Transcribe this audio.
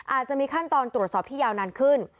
อาจจะมีขั้นตอนตรวจสอบที่ยาวนานขึ้น